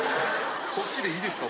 ・そっちでいいですか？